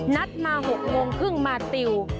นัดมา๖โมงครึ่งมาติว